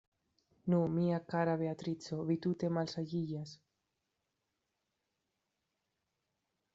Nu, mia kara Beatrico, vi tute malsaĝiĝas.